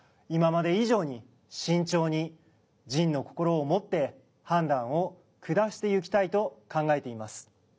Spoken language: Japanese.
今まで以上に慎重に「仁の心」をもって判断を下してゆきたいと考えています。